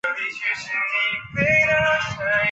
凯尔福特人口变化图示